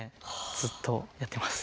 ずっとやってます。